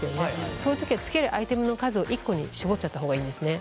そういう時はつけるアイテムの数を１個に絞っちゃった方がいいんですね。